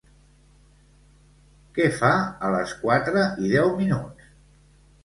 Què fa a les quatre i deu minuts?